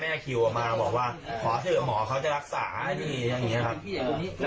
แม่คิวเขามาบอกว่าขอให้หมอเขาจะรักษาดีอย่างนี้ครับ